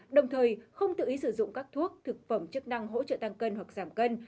đồng thời không tự ý sử dụng các thuốc thực phẩm chức năng hỗ trợ tăng cân hoặc giảm cân